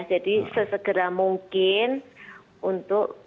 jadi sesegera mungkin untuk